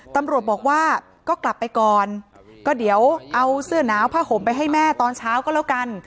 ตำรวจบอกว่าก็กลับไปก่อนก็เดี๋ยวเอาเสื้อหนาวผ้าห่มไปให้แม่ตอนเช้าก็แล้วกัน